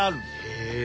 へえ！